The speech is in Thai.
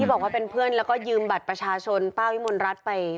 บอกว่าเป็นเพื่อนแล้วก็ยืมบัตรประชาชนป้าวิมลรัฐไป